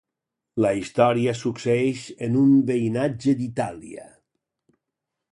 La història succeïx en un veïnatge d'Itàlia.